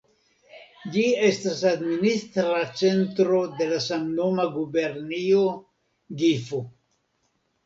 Ĝi estas administra centro de la samnoma gubernio Gifu.